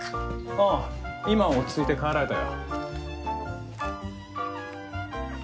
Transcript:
あぁ今は落ち着いて帰られたよ。